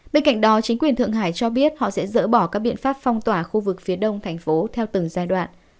bên cạnh đó chính quyền thượng hải cho biết họ sẽ dỡ bỏ các biện pháp phong tỏa khu vực phía đông thành phố theo từng giai đoạn